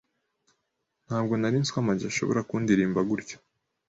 Ntabwo narinzi ko Ama G ashobora kundirimba.gutyo.